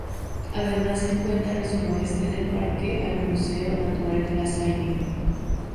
Además se encuentra al suroeste del parque al Museo Natural de La Salle.